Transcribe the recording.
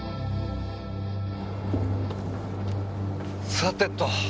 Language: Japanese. さてと。